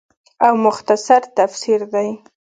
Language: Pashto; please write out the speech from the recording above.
او مختصر تفسير دے